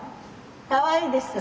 かわいいでしょ。